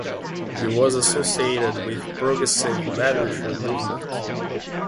He was associated with progressive literature movement.